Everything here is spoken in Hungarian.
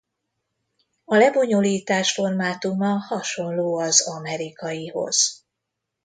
A lebonyolítás formátuma hasonló az amerikaihoz.